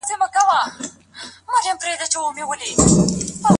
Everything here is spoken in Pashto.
د بهرني سیاست جوړول د هر حکومت له مهمو او بنسټیزو دندو څخه دي.